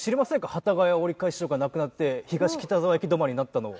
幡ヶ谷折返所がなくなって東北沢駅止まりになったのを。